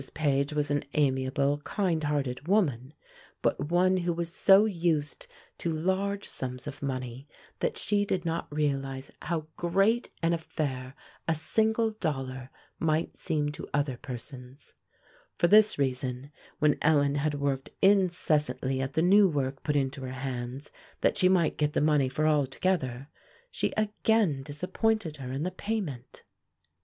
Page was an amiable, kind hearted woman, but one who was so used to large sums of money that she did not realize how great an affair a single dollar might seem to other persons. For this reason, when Ellen had worked incessantly at the new work put into her hands, that she might get the money for all together, she again disappointed her in the payment.